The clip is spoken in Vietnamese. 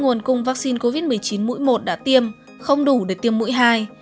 nguồn cung vaccine covid một mươi chín mũi một đã tiêm không đủ để tiêm mũi hai